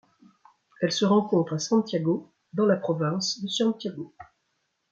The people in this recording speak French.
Elle se rencontre à Santiago dans la province de Santiago.